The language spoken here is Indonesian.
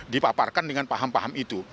dipaparkan dengan paham paham itu